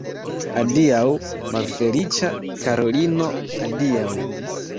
Adiaŭ, malfeliĉa Karolino, adiaŭ!